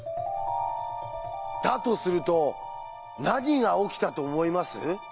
だとすると何が起きたと思います？